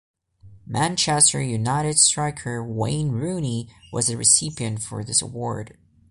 Manchester United striker Wayne Rooney was the recipient for this award.